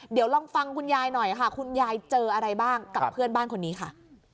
เดี๋ยวลองฟังคุณยายหน่อยค่ะคุณยายเจออะไรบ้างกับเพื่อนบ้านคนนี้ค่ะ